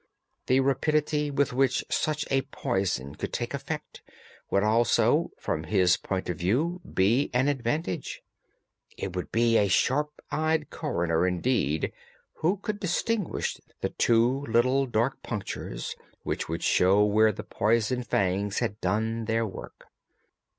The rapidity with which such a poison would take effect would also, from his point of view, be an advantage. It would be a sharp eyed coroner, indeed, who could distinguish the two little dark punctures which would show where the poison fangs had done their work.